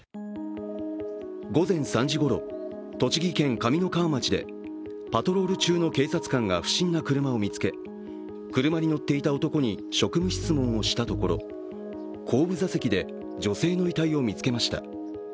午前３時ごろ、栃木県上三川町でパトロール中の警察官が不審な車を見つけ車に乗っていた男に職務質問をしたところ後部座席で女性の遺体を見つけました。